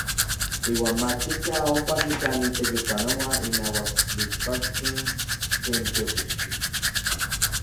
Iuan mach ikaj ompa kisani tekipanoua inauak tlixpantsin kej teopixki.